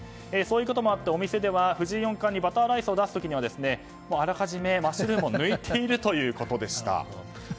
そういうこともあってお店は藤井四冠にバターライスを出す時にはあらかじめマッシュルームを抜いているということでした。